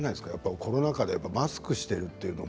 コロナ禍でマスクしているというのも。